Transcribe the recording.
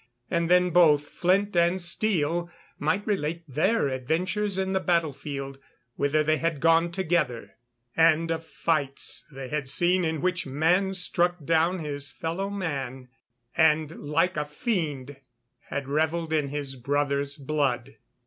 And then both Flint and Steel might relate their adventures in the battle field, whither they had gone together; and of fights they had seen in which man struck down his fellow man, and like a fiend had revelled in his brother's blood.